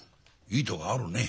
いいとこあるね。